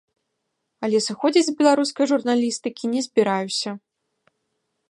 Але сыходзіць з беларускай журналістыкі не збіраюся.